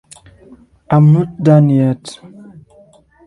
I'm not done yet!